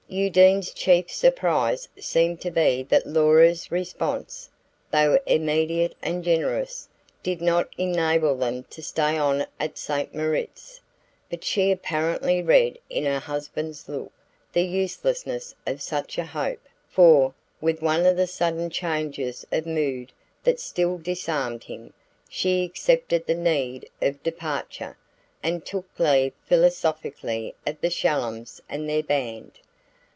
Undine's chief surprise seemed to be that Laura's response, though immediate and generous, did not enable them to stay on at St. Moritz. But she apparently read in her husband's look the uselessness of such a hope, for, with one of the sudden changes of mood that still disarmed him, she accepted the need of departure, and took leave philosophically of the Shallums and their band.